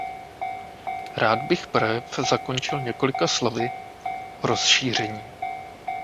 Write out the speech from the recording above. Rád bych projev zakončil několika slovy o rozšíření.